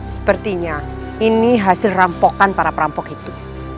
sepertinya ini hasil rampokan para perampok itu